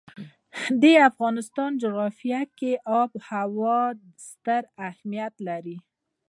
د افغانستان جغرافیه کې آب وهوا ستر اهمیت لري.